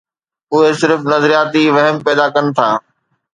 اهي صرف نظرياتي وهم پيدا ڪن ٿا.